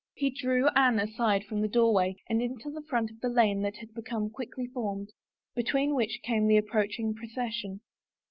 He drew Anne aside from the doorway and into the front of the lane that had been quickly formed, between which came the approaching procession.